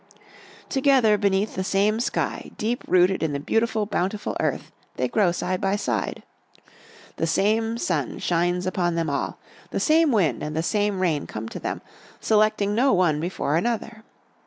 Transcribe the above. Together beneath the same sky, deep rooted in the beautiful, bountiful earth, they grow side by side. The same sun shines upon them all, the same wind and the same rain come to them, selecting no one before another.